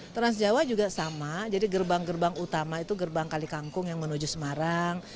transjawa juga sama jadi gerbang gerbang utama itu gerbang kali kangkung yang menuju semarang